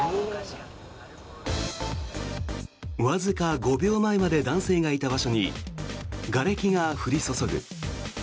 わずか５秒前まで男性がいた場所にがれきが降り注ぐ。